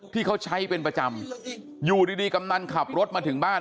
ที่เขาใช้เป็นประจำอยู่ดีกำนันขับรถมาถึงบ้าน